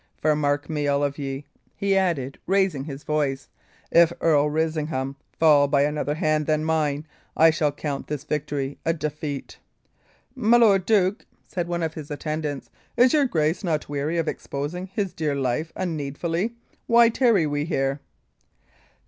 For mark me, all of ye," he added, raising his voice, "if Earl Risingham fall by another hand than mine, I shall count this victory a defeat." "My lord duke," said one of his attendants, "is your grace not weary of exposing his dear life unneedfully? Why tarry we here?"